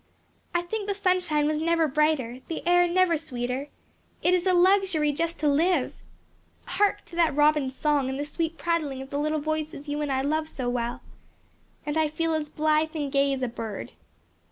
"I think the sunshine was never brighter, the air never sweeter. It is a luxury just to live! Hark to that robin's song and the sweet prattling of the little voices you and I love so well! And I feel as blithe and gay as a bird."